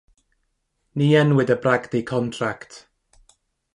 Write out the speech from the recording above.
Ni enwyd y bragdy contract.